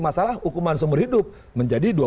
masalah hukuman seumur hidup menjadi